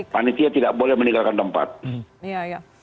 panitia tidak boleh meninggalkan tempat